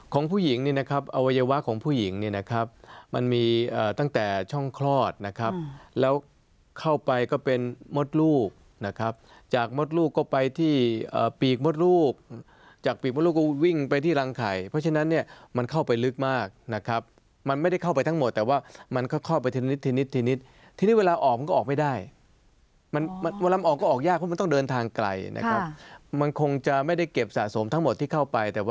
ของผู้หญิงนี่นะครับอวัยวะของผู้หญิงนี่นะครับมันมีตั้งแต่ช่องคลอดนะครับแล้วเข้าไปก็เป็นมดลูกนะครับจากมดลูกก็ไปที่ปีกมดลูกจากปีกมดลูกก็วิ่งไปที่รังไข่เพราะฉะนั้นเนี่ยมันเข้าไปลึกมากนะครับมันไม่ได้เข้าไปทั้งหมดแต่ว่ามันก็เข้าไปทีนิดทีนิดทีนิดทีนิดเวลาออกมันก็ออกไม่ได้มันมั